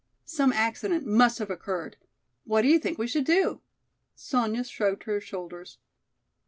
Some accident must have occurred. What do you think we should do?" Sonya shrugged her shoulders.